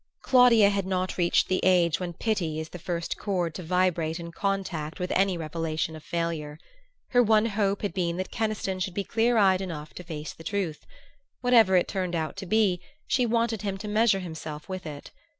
Claudia had not reached the age when pity is the first chord to vibrate in contact with any revelation of failure. Her one hope had been that Keniston should be clear eyed enough to face the truth. Whatever it turned out to be, she wanted him to measure himself with it.